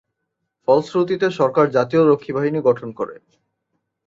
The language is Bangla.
ফলশ্রুতিতে সরকার জাতীয় রক্ষীবাহিনী গঠন করে।